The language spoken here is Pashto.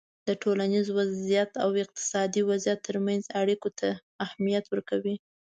د ټولنیز وضععیت او اقتصادي وضعیت ترمنځ اړیکو ته اهمیت ورکوی